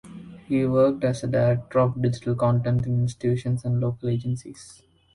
He worked as director of digital content in institutions and local agencies.